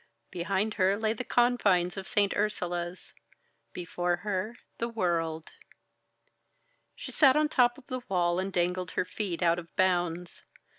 Behind her lay the confines of St. Ursula's. Before her the World. She sat on the top of the wall, and dangled her feet out of bounds.